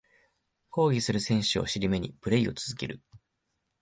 抗議する選手を尻目にプレイを続ける